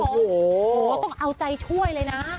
โอ้โหต้องเอาใจช่วยเลยนะ